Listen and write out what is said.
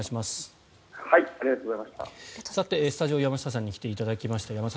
スタジオ山下さんに来ていただきました。